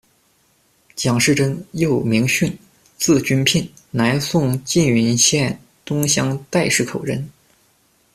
蒋世珍，又名训，字君聘，南宋缙云县东乡岱石口人。